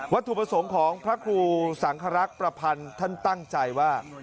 ถุประสงค์ของพระครูสังครักษ์ประพันธ์ท่านตั้งใจว่า